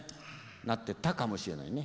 なってたかもしれないね。